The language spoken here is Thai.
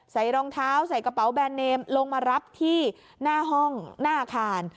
รองเท้าใส่กระเป๋าแบรนเนมลงมารับที่หน้าห้องหน้าอาคาร